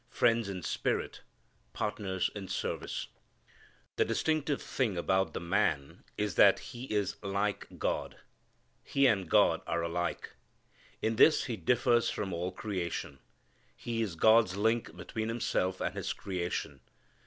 Friends in spirit: partners in service. The distinctive thing about the man is that he is like God. He and God are alike. In this he differs from all creation. He is God's link between Himself and His Creation.